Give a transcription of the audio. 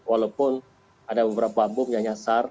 walaupun ada beberapa bom yang nyasar